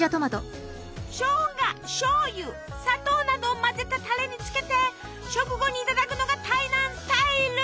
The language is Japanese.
しょうがしょうゆ砂糖などを混ぜたタレにつけて食後にいただくのが台南スタイル！